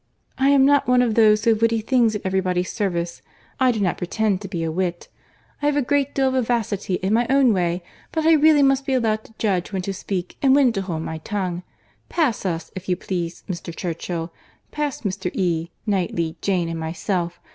I am not one of those who have witty things at every body's service. I do not pretend to be a wit. I have a great deal of vivacity in my own way, but I really must be allowed to judge when to speak and when to hold my tongue. Pass us, if you please, Mr. Churchill. Pass Mr. E., Knightley, Jane, and myself.